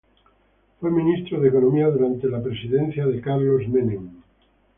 Fue ministro de Economía durante la presidencia de Carlos Menem.